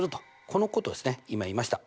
このことですね今言いました。